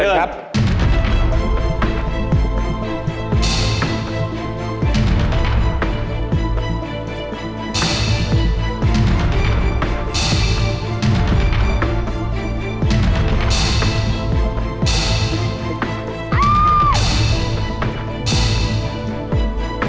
ถามพี่ปีเตอร์